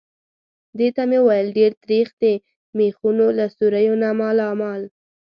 دې ته مې وویل: ډېر تریخ. د مېخونو له سوریو نه مالامال.